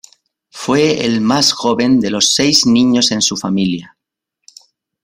Fue el más joven de los seis niños en su familia.